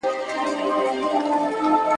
وترنري پوهنځۍ بې ارزوني نه تایید کیږي.